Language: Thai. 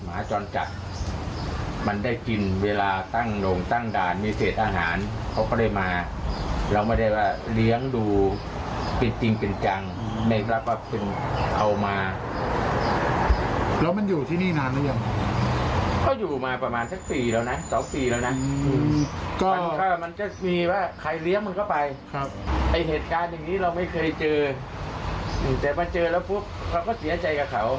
ไอ้เหตุการณ์อย่างนี้เราไม่เคยเจอแต่มาเจอแล้วปุ๊บเราก็เสียใจกับเขา